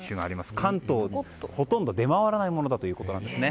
関東、ほとんど出回らないものだということですね。